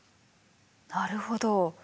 なるほど。